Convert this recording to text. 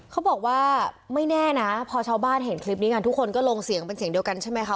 เขาบอกว่าไม่แน่นะพอชาวบ้านเห็นคลิปนี้กันทุกคนก็ลงเสียงเป็นเสียงเดียวกันใช่ไหมคะ